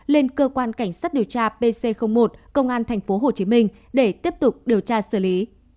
lên cơ quan cảnh sát điều tra pc một công an tp hcm để tiếp tục điều tra xử lý